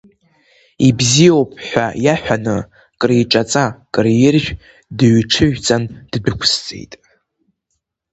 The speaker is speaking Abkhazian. Ибзиоуп ҳәа иаҳәаны, криҿаҵа-криржә дыҩҽыжәҵан ддәықәсҵеит.